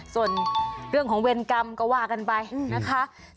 ส่วนเรื่องของเวรกรรมก็ว่ากันไปนะคะ